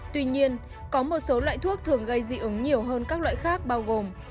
tuy nhiên có một số loại thuốc thường gây dị ứng nhiều hơn các loại khác bao gồm